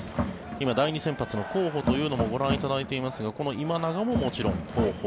今、第２先発の候補というのもご覧いただいていますがこの今永ももちろん候補。